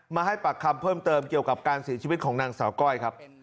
มาให้ปากคำเพิ่มเติมเกี่ยวกับการเสียชีวิตของนางสาวก้อยครับ